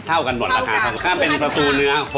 เท่ากันหมดนะคะถ้าเป็นสตูเนื้อ๖๐บาท